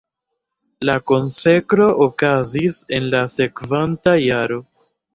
La konsekro okazis en la sekvanta jaro.